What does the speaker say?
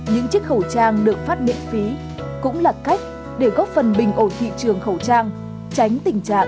những chiếc khẩu trang được phát miễn phí cũng là cách để góp phần bình ổ thị trường khẩu trang tránh tình trạng xót ảo